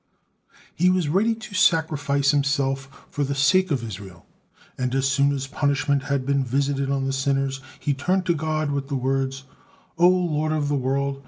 He was ready to sacrifice himself for the sake of Israel, and as soon as punishment had been visited on the sinners, he turned to God with the words: "O Lord of the world!